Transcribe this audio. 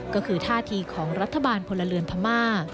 ก็คือท่าทีของรัฐบาลพลเรือนพม่า